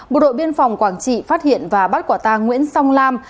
bộ đội biên phòng quảng trị phát hiện và bắt quả tang nguyễn song lam